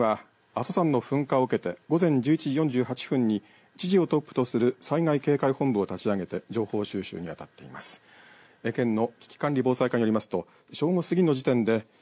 また県は、阿蘇山の噴火を受けて午前１１時４８分に知事をトップとする災害警戒本部を立ち上げて情報収集にあたっています。